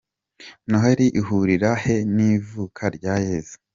Noheli ihurira he n’ivuka rya Yezu?.